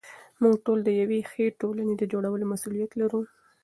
موږ ټول د یوې ښې ټولنې د جوړولو مسوولیت لرو.